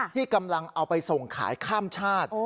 ที่กำลังเอาไปส่งขายข้ามชาติ